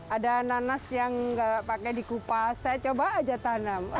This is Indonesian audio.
ada nanas yang nggak pakai di kupas saya coba aja tanam